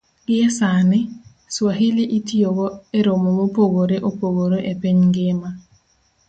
Gie sani, Swahili itiyogo e romo mopogore opogore e piny ngima